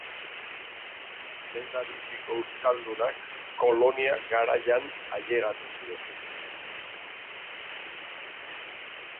Lehendabiziko euskaldunak kolonia garaian ailegatu ziren.